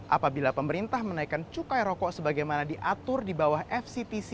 apabila pemerintah menaikkan cukai rokok sebagaimana diatur di bawah fctc